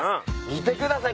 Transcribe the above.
見てください